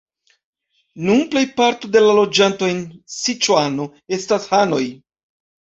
Nun plejparto de la loĝantoj en Siĉuano estas hanoj.